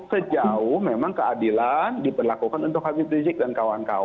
sejauh memang keadilan diperlakukan untuk habib rizik